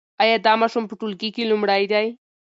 ایا دا ماشوم په ټولګي کې لومړی دی؟